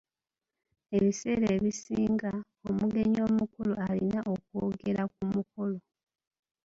Ebiseera ebisinga, omugenyi omukulu alina okwogera ku mukolo.